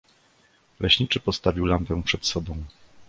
Leśniczy postawił lampę przed sobą.